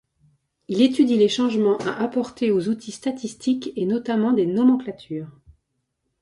Il étudie les changements à apporter aux outils statistiques et notamment des nomenclatures.